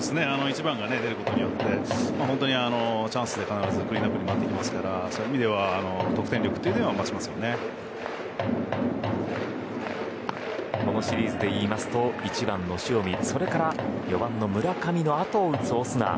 １番が出ることで本当にチャンスで必ずクリーンアップに回ってくるのでそういう意味ではこのシリーズでいいますと１番の塩見それから４番の村上のあとを打つオスナ